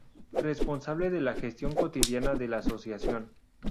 Responsable de la gestión cotidiana de la Asociación.